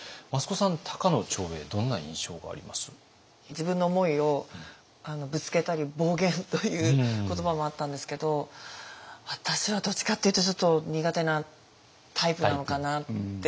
自分の思いをぶつけたり暴言という言葉もあったんですけど私はどっちかっていうとちょっと苦手なタイプなのかなって思いました。